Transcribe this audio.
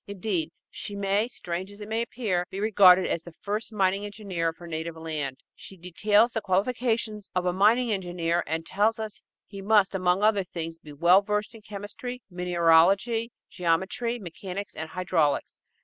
Indeed, she may, strange as it may appear, be regarded as the first mining engineer of her native land. She details the qualifications of a mining engineer and tells us he must, among other things, be well versed in chemistry, mineralogy, geometry, mechanics and hydraulics.